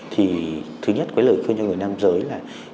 thì thứ nhất với lời khuyên cho người nam giới là